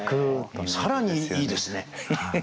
更にいいですね。